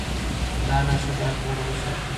دا نښه باید لوړه وساتو.